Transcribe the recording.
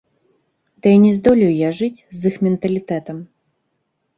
Ды і не здолею я жыць з іх менталітэтам.